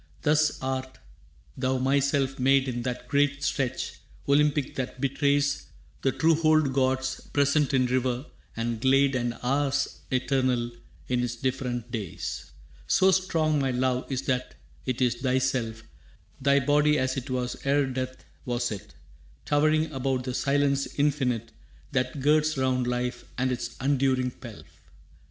Thus art thou myself made In that great stretch Olympic that betrays The true wholed gods present in river and glade And hours eternal in its different days. «So strong my love is that it is thyself, Thy body as it was ere death was it, Towering above the silence infinite That girds round life and its unduring pelf.